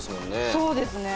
そうですね